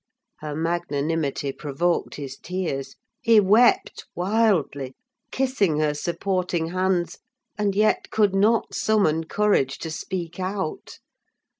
Her magnanimity provoked his tears: he wept wildly, kissing her supporting hands, and yet could not summon courage to speak out.